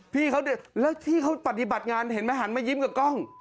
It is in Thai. พี่เขาแล้วที่เขาปฏิบัติงานเห็นไหมหันมายิ้มกับกล้อง